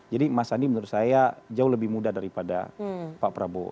jadi mas sandi menurut saya jauh lebih muda daripada pak prabowo